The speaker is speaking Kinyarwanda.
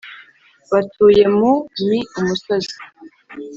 batuye mu mi umusozi